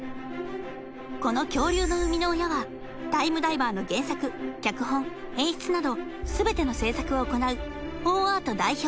この恐竜の生みの親はタイムダイバーの原作脚本演出など全ての制作を行うオンアート代表